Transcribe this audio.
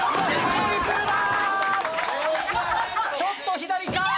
ちょっと左か？